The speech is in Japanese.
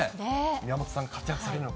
宮本さん、活躍されるのか。